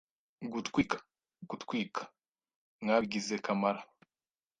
Gutwika ... gutwika ..mwabigize kamara